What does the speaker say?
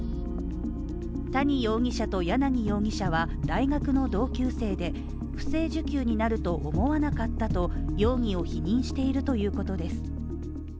谷容疑者と柳容疑者は大学の同級生で、不正受給になると思わなかったと容疑を否認しているということです。